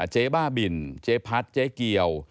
เจ๊บ้าบินเจ๊พัดเจ๊เกียว